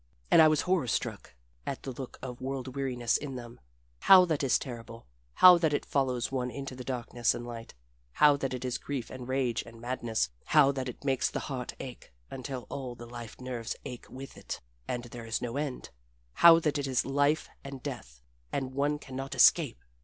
And I was horror struck at the look of world weariness in them how that it is terrible, how that it follows one into the darkness and light, how that it is grief and rage and madness, how that it makes the heart ache until all the life nerves ache with it and there is no end; how that it is life and death, and one can not escape!